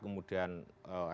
kemudian ekspresi kebebasan